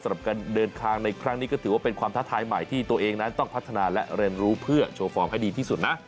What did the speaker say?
สำหรับการเดินทางในครั้งนี้ก็ถือว่าเป็นความท้าทายใหม่ที่ตัวเองนั้นต้องพัฒนาและเรียนรู้เพื่อโชว์ฟอร์มให้ดีที่สุดนะ